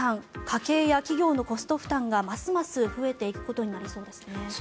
家計や企業のコスト負担がますます増えていくことになりそうですね。